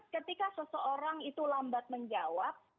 ketika seseorang itu lambat menjawab